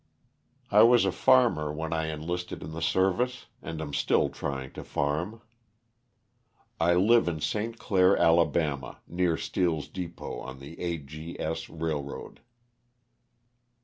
I was a farmer when I enlisted in the service and am still trying to farm. I live in St. Clair, Ala., near Steel's depot on the A. G. S. railroad.